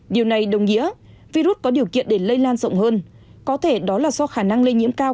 điều này đồng nghĩa virus có điều kiện để lây lan rộng hơn có thể đó là do khả năng lây nhiễm cao